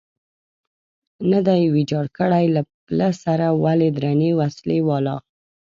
نه دی ویجاړ کړی، له پله سره ولې درنې وسلې والا.